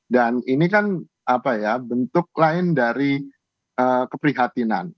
dan ini kan apa ya bentuk lain dari keprihatinan